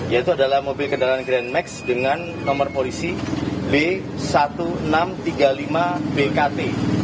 yaitu adalah mobil kendaraan grand max dengan nomor polisi b seribu enam ratus tiga puluh lima bkt